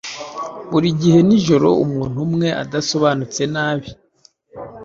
Burigihe nijoro umuntu umwe adasobanutse nabi